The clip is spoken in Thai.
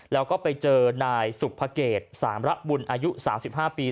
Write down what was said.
แล้วก็ไปเจอนายสุขภเกตสามระบุลอายุสามสิบห้าปี